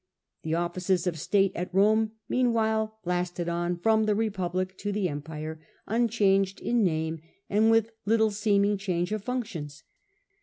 The offices of state at Rome, The old meantime, lasted on from the Republic to offices of the the Empire, unchanged in name, and with executive. seeming change of functions.